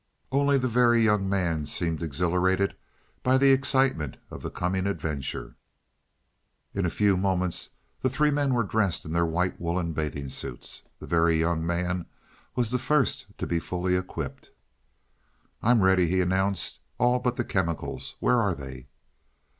Only the Very Young Man seemed exhilarated by the excitement of the coming adventure. In a few moments the three men were dressed in their white woolen bathing suits. The Very Young Man was the first to be fully equipped. "I'm ready," he announced. "All but the chemicals. Where are they?"